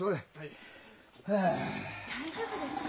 大丈夫ですか？